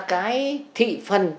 cái thị phần